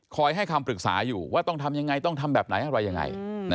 ให้คำปรึกษาอยู่ว่าต้องทำยังไงต้องทำแบบไหนอะไรยังไง